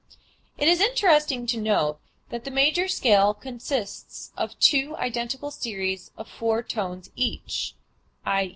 It is interesting to note that the major scale consists of two identical series of four tones each; _i.